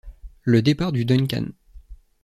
Le départ du Duncan